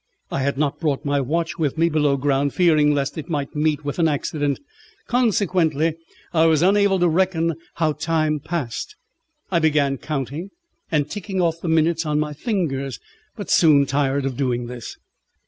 I had not brought my watch with me below ground, fearing lest it might meet with an accident; consequently I was unable to reckon how time passed. I began counting and ticking off the minutes on my fingers, but soon tired of doing this.